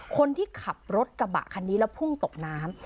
คนที่ขับรถกระบะคันนี้แล้วพุ่งตกน้ำ